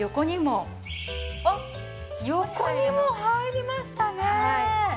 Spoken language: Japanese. あっ横にも入りましたね！